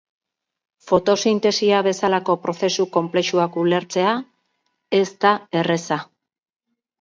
Fotosintesia bezalako prozesu konplexuak ulertzea ez da erreza.